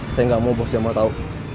saya gak mau bos jamal tahu